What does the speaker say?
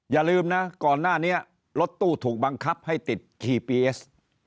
อย่าลืมนะก่อนหน้านี้รถตู้ถูกบังคับให้ติดทีปีเอส